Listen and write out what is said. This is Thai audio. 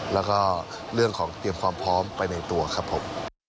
แล้วก็เรื่องของเตรียมความพร้อมไปในตัวครับผม